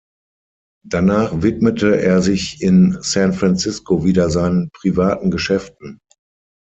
Danach widmete er sich in San Francisco wieder seinen privaten Geschäften.